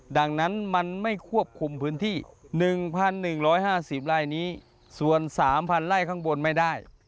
ดังนั้นมันไม่ควบคุมพื้นที่๑๑๕๐ไร่นี้ส่วน๓๐๐ไร่ข้างบนไม่ได้